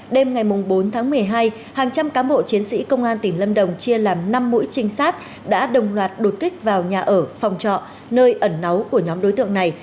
đêm ngày bốn tháng một mươi hai hàng trăm cán bộ chiến sĩ công an tỉnh lâm đồng chia làm năm mũi trinh sát đã đồng loạt đột kích vào nhà ở phòng trọ nơi ẩn náu của nhóm đối tượng này